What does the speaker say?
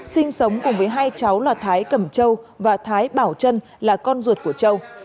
sinh sống cùng với hai cháu là thái cẩm châu và thái bảo trân là con ruột của châu